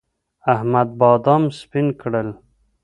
احمد بادام سپين کړل.